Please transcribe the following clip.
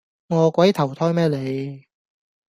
餓鬼投胎咩你